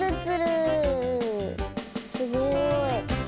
すごい。